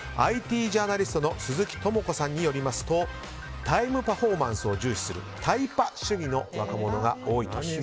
ＩＴジャーナリストの鈴木朋子さんによりますとタイムパフォーマンスを重視するタイパ主義の若者が多いと。